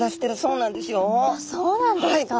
そうなんですか。